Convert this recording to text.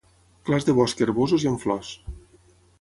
Clars de bosc herbosos i amb flors.